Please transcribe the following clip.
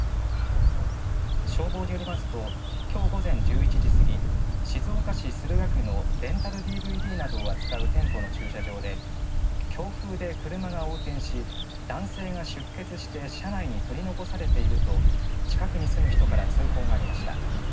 消防によりますと、きょう午前１１時過ぎ、静岡市駿河区のレンタルＤＶＤなどを扱う店舗の駐車場で、強風で車が横転し、男性が出血して、車内に取り残されていると、近くに住む人から通報がありました。